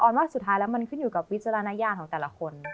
ว่าสุดท้ายแล้วมันขึ้นอยู่กับวิจารณญาณของแต่ละคน